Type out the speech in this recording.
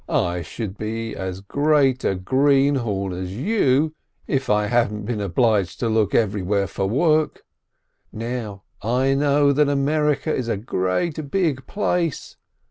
"I should be as great a greenhorn as you, if I hadn't been obliged to look everywhere for work. Now I know that America is a great big place.